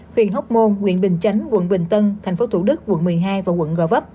huyện hốc môn huyện bình chánh quận bình tân thành phố thủ đức quận một mươi hai và quận gò vấp